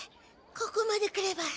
ここまで来れば。